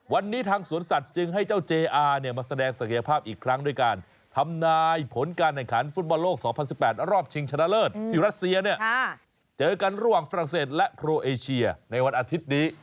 วันนี้ทางสวนสัตว์จึงให้เจ้าเจอาเนี่ยมาแสดงศักยภาพอีกครั้งด้วยการทำนายผลการแข่งขันฟุตบอลโลก๒๐๑๘รอบชิงชนะเลิศที่รัสเซียเนี่ยเจอกันระหว่างฝรั่งเศสและโครเอเชียในวันอาทิตย์นี้